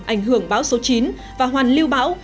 ảnh hưởng báo số chín và hoàn lưu báo